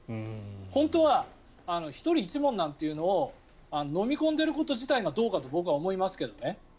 本当は１人１問なんていうのをのみ込んでいること自体がどうかと僕は思いますけどね。